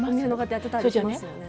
やってたりしますよね。